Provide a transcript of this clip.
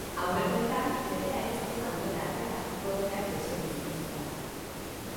Aurrekoetan, legea ez zuten aurrera atera gorteak desegin zituztelako.